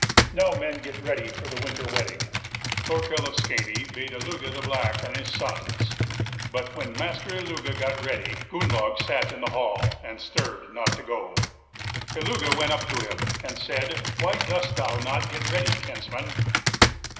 Now men get ready for the winter wedding. Thorkel of Skaney bade Illugi the Black and his sons. But when master Illugi got ready, Gunnlaug sat in the hall, and stirred not to go. Illugi went up to him and said, "Why dost thou not get ready, kinsman?"